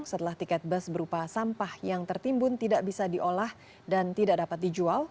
setelah tiket bus berupa sampah yang tertimbun tidak bisa diolah dan tidak dapat dijual